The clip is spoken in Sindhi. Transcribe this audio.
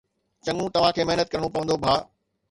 چڱو، توهان کي محنت ڪرڻو پوندو، ڀاء